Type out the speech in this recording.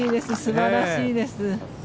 素晴らしいです。